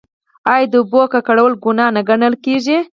آیا د اوبو ککړول ګناه نه ګڼل کیږي؟